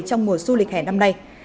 trong mùa du lịch hè năm nay